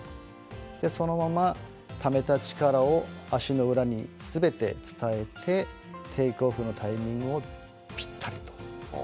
そのまま、ためた力を足の裏にすべて伝えてテイクオフのタイミングをぴったりと。